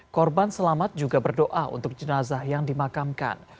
korban selamat juga berdoa untuk jenazah yang dimakamkan